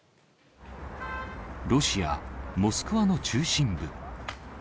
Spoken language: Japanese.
ロシア・モスクワの中心部。